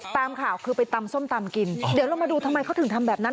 ตามข่าวคือไปตำส้มตำกินเดี๋ยวเรามาดูทำไมเขาถึงทำแบบนั้น